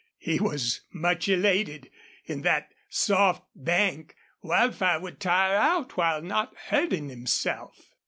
He was much elated. In that soft bank Wildfire would tire out while not hurting himself.